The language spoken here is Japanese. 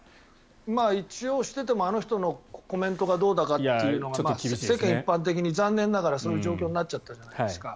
一応しててもあの人のコメントがどうだかっていうのが世間一般的に残念ながらそういう状況になっちゃったじゃないですか。